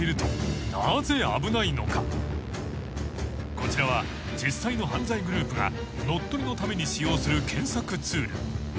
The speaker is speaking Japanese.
［こちらは実際の犯罪グループが乗っ取りのために使用する検索ツール］